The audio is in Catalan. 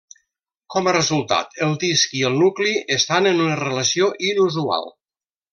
Com a resultat, el disc i el nucli estan en una relació inusual.